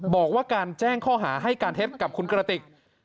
บอกว่าการแจ้งข้อหาให้การเท็จกับคุณกระติก